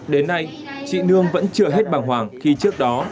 đến nay chị nương vẫn chưa hết bằng hoàng khi trước đó